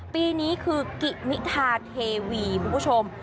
ปีนี้คือกิมิทาเทวีคุณผู้ชม